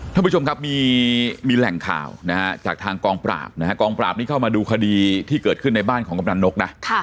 ท่านผู้ชมครับมีแหล่งข่าวนะฮะจากทางกองปราบนะฮะกองปราบนี้เข้ามาดูคดีที่เกิดขึ้นในบ้านของกำลังนกนะ